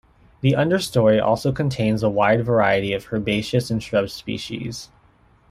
The understory also contains a wide variety of herbaceous and shrub species.